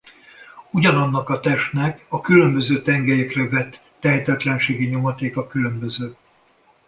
Ugyanannak a testnek a különböző tengelyekre vett tehetetlenségi nyomatéka különböző.